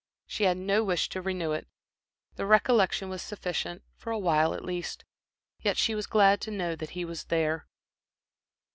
She had no wish to renew it; the recollection was sufficient, for awhile at least. Yet she was glad to know that he was there.